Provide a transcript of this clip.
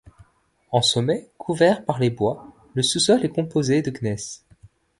En sommet, couvert par les bois, le sous-sol est composé de gneiss.